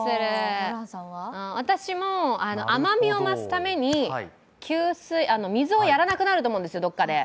私も、甘みを増すために水をやらなくなると思うんですよ、どこかで。